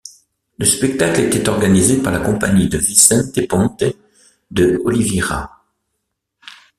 Le spectacle était organisé par la compagnie de Vicente Pontes de Oliveira.